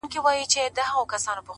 شراب ترخه ترخو ته دي. و موږ ته خواږه.